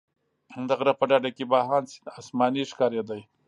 د غره په ډډه کې بهاند سیند اسماني ښکارېده.